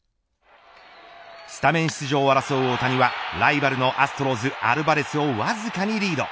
スタメン出場を争う大谷はライバルのアストロズアルバレスをわずかにリード。